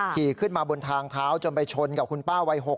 ขี่ขึ้นมาบนทางเท้าจนไปชนกับคุณป้าวัย๖๐